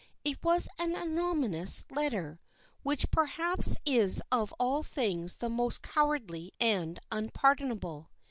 It was an anonymous letter, which perhaps is of all things the most cowardly and unpardonable.